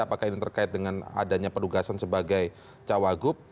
apakah ini terkait dengan adanya penugasan sebagai cawagup